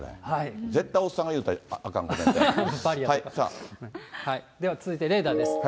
絶対おっさんが言うたらあかんコでは続いでレーダーです。